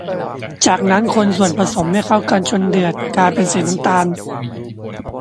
จากนั้นคนส่วนผสมให้เข้ากันจนเดือดกลายเป็นสีน้ำตาล